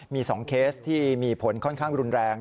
มี๒เคสที่มีผลค่อนข้างรุนแรง